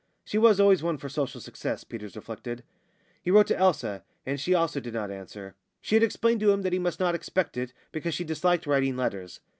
"She was always one for social success," Peters reflected. He wrote to Elsa, and she also did not answer she had explained to him that he must not expect it, because she disliked writing letters.